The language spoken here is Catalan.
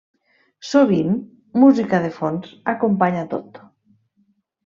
Sovint, música de fons acompanya a tot.